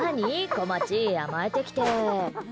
こまち、甘えてきて。